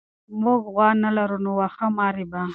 موږ غوا نه لرو نو واښه مه رېبه.